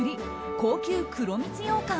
高級黒蜜ようかん